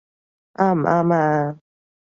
啱唔啱呀？